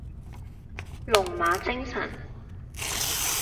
龍馬精神